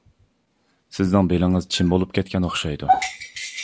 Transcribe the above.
سىزنىڭ بېلىڭىز چىم بولۇپ كەتكەن ئوخشايدۇ.